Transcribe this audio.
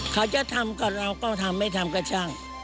เขาจะทำกับเราก็ทำไม่ทำก็ช่าง